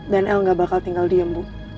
dan el gak bakal tinggal diem bu